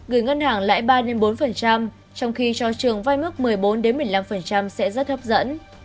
gửi ngân hàng lãi ba bốn trong khi cho trường vay mức một mươi bốn một mươi năm sẽ rất hấp dẫn